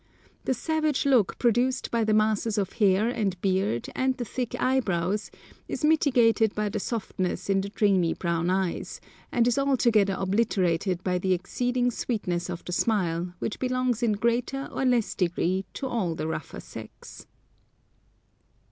The savage look produced by the masses of hair and beard, and the thick eyebrows, is mitigated by the softness in the dreamy brown eyes, and is altogether obliterated by the exceeding sweetness of the smile, which belongs in greater or less degree to all the rougher sex.